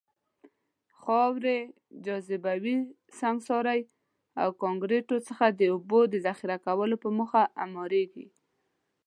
خاورې، جاذبوي سنګکارۍ او کانکریتو څخه د اوبو د ذخیره کولو په موخه اعماريږي.